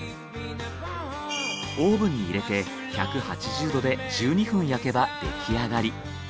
オーブンに入れて１８０℃で１２分焼けばできあがり。